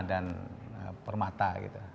dan permata gitu